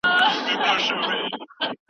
که پوهان موافق وای سیاست به علم وای.